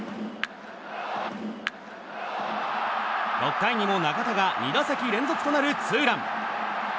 ６回にも中田が２打席連続となるツーラン。